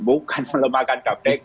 bukan melemahkan kpk bang